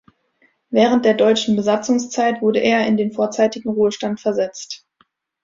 Während der deutschen Besatzungszeit wurde er in den vorzeitigen Ruhestand versetzt.